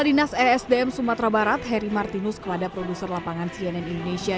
dinas esdm sumatera barat heri martinus kepada produser lapangan cnn indonesia